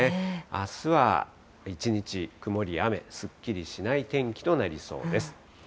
あすは一日曇りや雨、すっきりしない天気となりそうです。